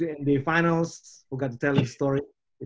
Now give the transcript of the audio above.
saya mau ke final nba lupa ceritanya